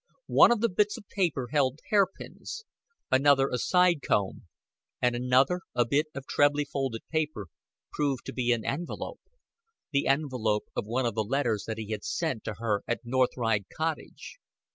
One of the bits of paper held hairpins; another a side comb; and another, a bit of trebly folded paper, proved to be an envelope the envelope of one of the letters that he had sent to her at North Ride Cottage.